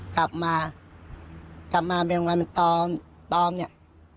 กลับมากลับมาเมืองวันมันต้องต้องเนี่ย